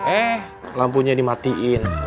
eh lampunya dimatiin